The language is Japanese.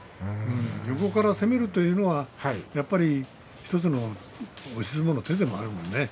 横から攻めるというのはやはり１つの押し相撲の手でもあるもんね。